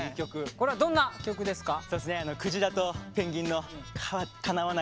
これはどんな曲ですか？